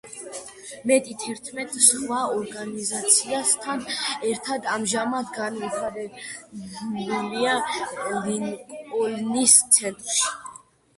მეტი თერთმეტ სხვა ორგანიზაციასთან ერთად ამჟამად განთავსებულია ლინკოლნის ცენტრში.